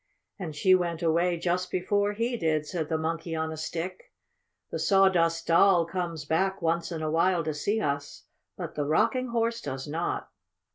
"And she went away just before he did," said the Monkey on a Stick. "The Sawdust Doll comes back, once in a while, to see us. But the Rocking Horse does not."